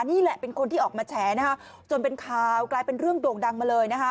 นี่แหละเป็นคนที่ออกมาแฉนะคะจนเป็นข่าวกลายเป็นเรื่องโด่งดังมาเลยนะคะ